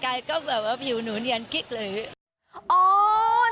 ซึ่งใช่ก็เหมือนว่าผิวหนูเนียนกี่กลัวเลย